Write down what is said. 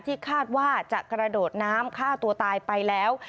คาดว่าจะกระโดดน้ำฆ่าตัวตายไปแล้ว